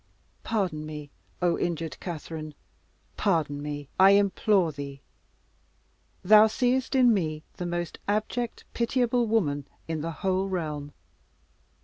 Pardon me, O injured Catherine pardon me, I implore thee! Thou seest in me the most abject pitiable woman in the whole realm!